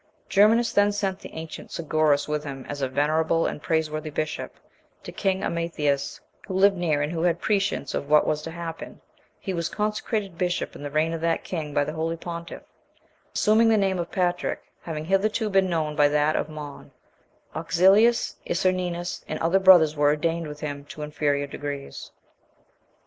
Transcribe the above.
Germanus then sent the ancient Segerus with him as a venerable and praiseworthy bishop, to king Amatheus,(1) who lived near, and who had prescience of what was to happen; he was consecrated bishop in the reign of that king by the holy pontiff,(2) assuming the name of Patrick, having hitherto been known by that of Maun; Auxilius, Isserninus, and other brothers were ordained with him to inferior degrees.